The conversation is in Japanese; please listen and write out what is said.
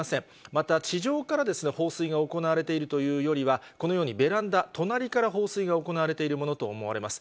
また地上から放水が行われているというよりは、このようにベランダ、隣から放水が行われているものと思われます。